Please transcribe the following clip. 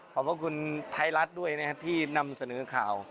ขอบคุณไทยรัฐด้วยนะครับที่นำเสนอข่าว